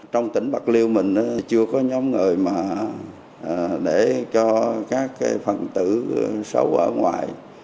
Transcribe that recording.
trong tỉnh bạc liêu mình chưa có nhóm người mà để cho các phần tử xấu ở ngoài